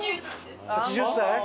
８０歳？